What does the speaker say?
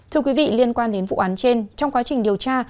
thưa quý vị liên quan đến vụ án trên trong quá trình điều tra